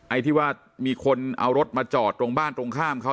ไอ้ที่ว่ามีคนเอารถมาจอดตรงบ้านตรงข้ามเขา